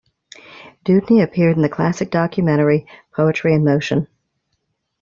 Dewdney appeared in the classic documentary "Poetry in Motion".